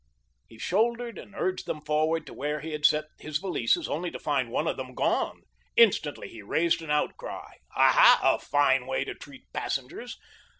He shouldered and urged them forward to where he had set his valises, only to find one of them gone. Instantly he raised an outcry. Aha, a fine way to treat passengers!